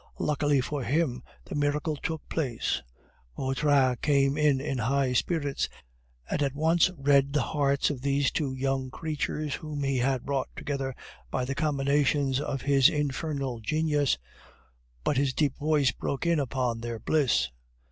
Luckily for him, the miracle took place. Vautrin came in in high spirits, and at once read the hearts of these two young creatures whom he had brought together by the combinations of his infernal genius, but his deep voice broke in upon their bliss.